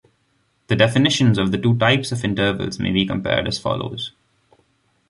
The definitions of the two types of intervals may be compared as follows.